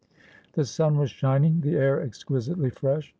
The sun was shining, the air exquisitely fresh.